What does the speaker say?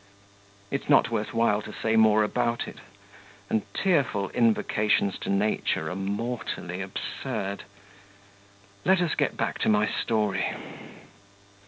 It's not worth while to say more about it. And tearful invocations to nature are mortally absurd. Let us get back to my story.